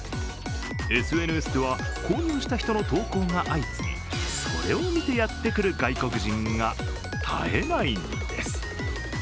ＳＮＳでは購入した人の投稿が相次ぎそれを見てやってくる外国人が絶えないんです